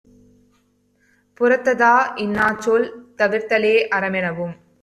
புறத்ததா, இன்னாச்சொல் தவிர்தலே அறமெனவும்;